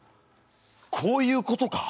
こういうことか。